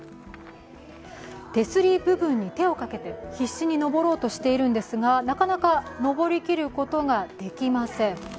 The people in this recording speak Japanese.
手すり部分に手をかけて、必死に登ろうとしているんですがなかなか登りきることができません。